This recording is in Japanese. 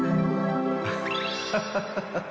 アハハハハ！